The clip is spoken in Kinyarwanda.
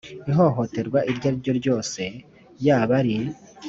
Ihohoterwa iryo ari ryo ryose yaba ari